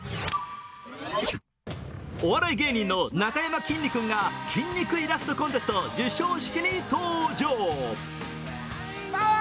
お笑い芸人のなかやまきんに君が筋肉イラストコンテスト授賞式に登場。